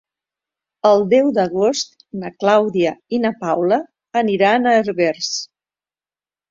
El deu d'agost na Clàudia i na Paula aniran a Herbers.